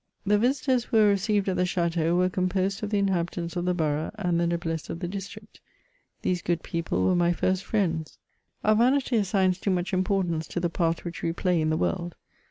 The yisitors who were received at the dutteau, were com posed of the inhahitants of the borough and the noblesse of the district. These good people were my first friends. Our vanity assigns too much importance to the part which we play in the world.